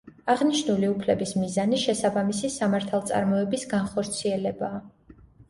აღნიშნული უფლების მიზანი შესაბამისი სამართალწარმოების განხორციელებაა.